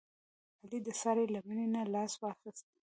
علي د سارې له مینې نه لاس واخیست.